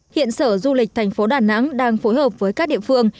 hiện sở du lịch thành phố đà nẵng đang phối hợp với các địa phương